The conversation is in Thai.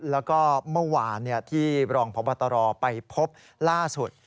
แล้วก็เมื่อวานที่ปล่องพระบัตรรอภ์ไปพบล่าสุด